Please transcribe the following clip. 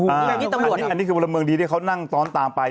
อันนี้คือพลเมืองดีที่เขานั่งซ้อนตามไป